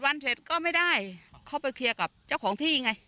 วันเสร็จก็ไม่ได้เข้าไปเคลียร์กับเจ้าของที่ไง